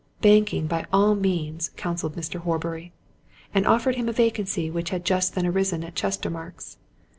Banking, by all means, counselled Mr. Horbury and offered him a vacancy which had just then arisen at Chestermarke's.